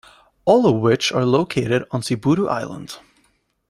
All of which are located on Sibutu Island.